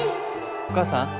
お母さん？